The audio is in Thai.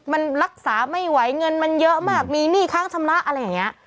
มันรักษาไม่ไหวเงินมันเยอะมากมีหนี้ค้างชำระอะไรอย่างนี้